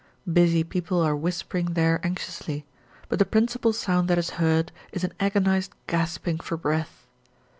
Busy people are whispering there anxiously, but the principal sound that is heard is an agonised gasping for breath.